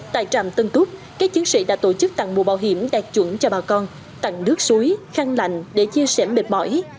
tại trạm tân túc các chiến sĩ đã tổ chức tặng mũ bảo hiểm đạt chuẩn cho bà con tặng nước suối khăn lạnh để chia sẻ mệt mỏi